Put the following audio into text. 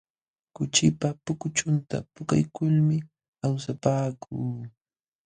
Kuchipa pukuchunta puukaykulmi awsapaakuu.